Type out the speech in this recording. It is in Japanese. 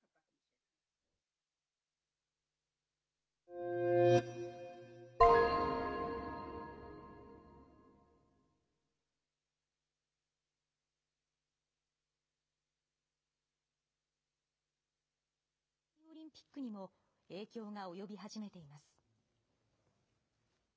開催が迫る北京オリンピックにも、影響が及び始めています。